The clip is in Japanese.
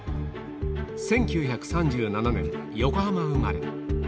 １９３７年、横浜生まれ。